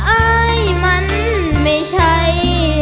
อายมันไม่ใช่